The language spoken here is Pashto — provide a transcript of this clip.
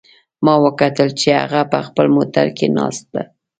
ما وکتل چې هغه په خپل موټر کې ناست ده